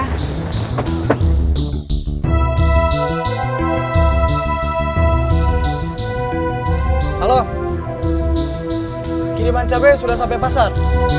halo kiriman cabai sudah sampai pasar